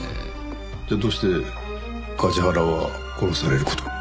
じゃあどうして梶原は殺される事に？